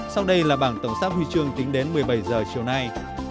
sau đây là bảng tổng sắp huy chương tính đến một mươi bảy h chiều nay